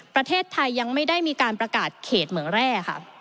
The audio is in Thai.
ประเทศไทยยังไม่ได้มีการประกาศเขตเหมืองแร่ค่ะ